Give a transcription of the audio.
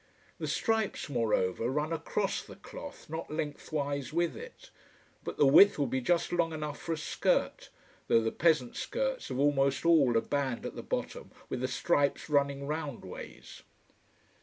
The stripes, moreover, run across the cloth, not lengthwise with it. But the width would be just long enough for a skirt though the peasant skirts have almost all a band at the bottom with the stripes running round ways.